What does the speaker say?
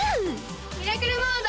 ミラクルモード！